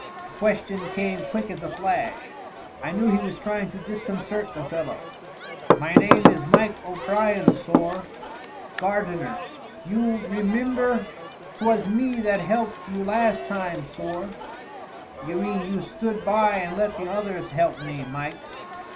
The question came quick as a flash. I knew he was trying to disconcert the fellow. "My name is Mike O'Brien, sorr, gardener; you remimber, 'twas me that helped you last time, sorr." "You mean you stood by and let the others help me, Mike."